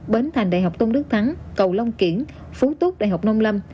bến thành đại học tôn đức thắng cầu long kiển phú tốt đại học nông lâm